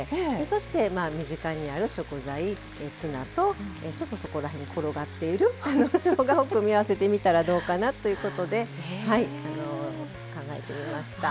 そして身近にある食材ツナとちょっとそこら辺に転がっているしょうがを組み合わせてみたらどうかなということで考えてみました。